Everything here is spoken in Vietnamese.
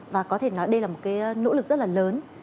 và có thể nói đây là một cái nỗ lực rất là lớn